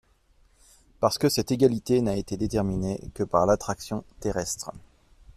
Parce que cette égalité n’a été déterminée que par l’attraction terrestre.